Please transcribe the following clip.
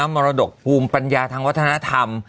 มรดกภูมิปัญญาทางวัฒนธรรม